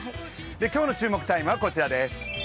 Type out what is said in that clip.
今日の注目タイムはこちらです。